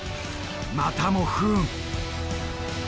またも不運！